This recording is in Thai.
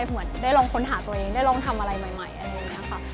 เหมือนได้ลองค้นหาตัวเองได้ลองทำอะไรใหม่อะไรอย่างนี้ค่ะ